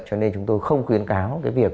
cho nên chúng tôi không khuyến cáo cái việc